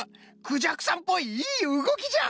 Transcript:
クジャクさんっぽいいいうごきじゃ！